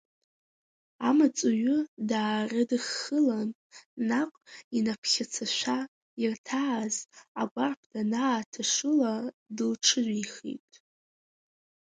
Амаҵуҩы даарыдыххылан, наҟ инаԥхьацашәа, ирҭааз, агәарԥ данааҭашыла, дылҽыжәихит.